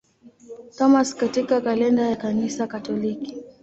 Thomas katika kalenda ya Kanisa Katoliki.